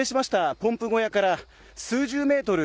ポンプ小屋から数十メートル